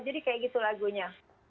jadi kayak gitu lagunya